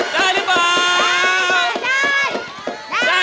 ได้หรือเปล่า